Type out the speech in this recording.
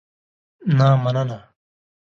نه مننه.